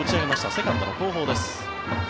セカンドの後方です。